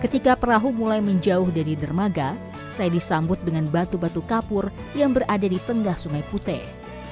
ketika perahu mulai menjauh dari dermaga saya disambut dengan batu batu kapur yang berada di tengah sungai putih